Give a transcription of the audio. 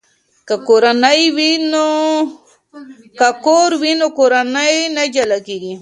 که کور وي نو کورنۍ نه جلا کیږي.